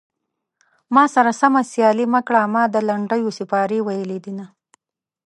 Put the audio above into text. ما سره سمه سيالي مه کړه ما د لنډيو سيپارې ويلي دينه